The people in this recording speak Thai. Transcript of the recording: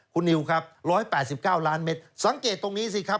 คุณนิวครับ๑๘๙ล้านเมตรสังเกตตรงนี้สิครับ